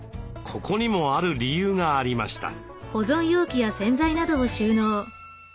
ここにもある理由がありました。